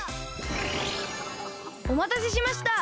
おまたせしました！